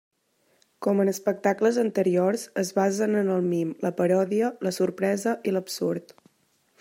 Com en espectacles anteriors, es basen en el mim, la paròdia, la sorpresa i l'absurd.